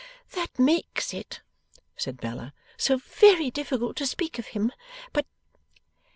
'That makes it,' said Bella, 'so very difficult to speak of him. But